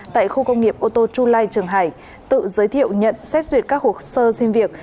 tại khu công nghiệp ô tô chu lai trường hải tự giới thiệu nhận xét duyệt các hồ sơ xin việc